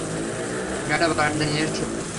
গাড়িটা বারান্দায় নিয়ে এসো।